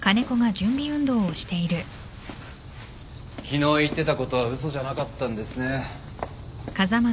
昨日言ってたことは嘘じゃなかったんですね。